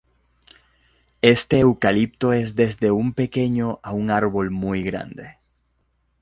Este eucalipto es desde un pequeño a un árbol muy grande.